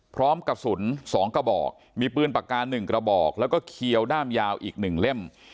พร้อมกระสุน๒กระบอกมีปืนปากกา๑กระบอกแล้วก็เขียวด้ามยาวอีก๑เล่ม